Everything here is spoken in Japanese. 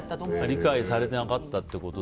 理解されていなかったと。